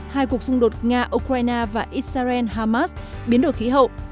hai cuộc xung đột nga ukraine và israel hamas biến đổi khí hậu